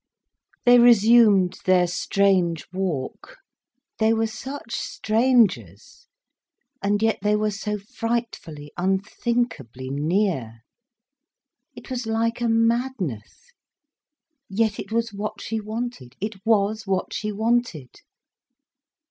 They resumed their strange walk. They were such strangers—and yet they were so frightfully, unthinkably near. It was like a madness. Yet it was what she wanted, it was what she wanted.